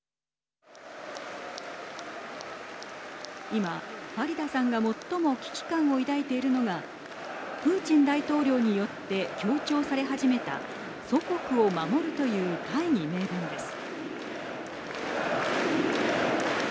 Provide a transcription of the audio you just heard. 今、ファリダさんが最も危機感を抱いているのがプーチン大統領によって強調され始めた祖国を守るという大義名分です。